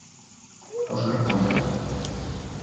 Óscar Fontán.